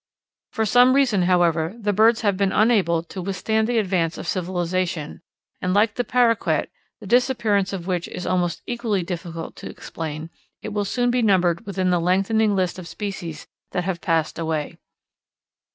For some reason, however, the birds have been unable to withstand the advance of civilization, and like the Paroquet, the disappearance of which is almost equally difficult to explain, it will soon be numbered with the lengthening list of species that have passed away.